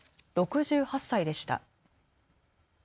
６８歳でした。